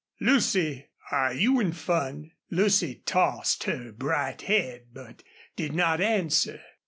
Lucy, are you in fun?" Lucy tossed her bright head, but did not answer.